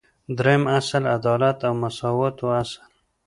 دریم اصل : عدالت او مساواتو اصل